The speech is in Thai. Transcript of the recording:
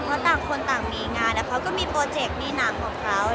แต่ต่างคนต่างมีงานเขาก็มีโปรเจกต์มีหนังของเขานะ